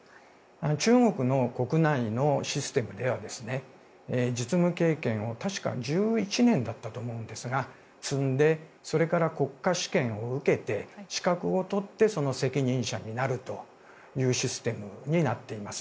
中国の国内のシステムでは実務経験を確か１１年だったと思うんですが積んでそれから国家試験を受けて資格を取ってその責任者になるというシステムになっています。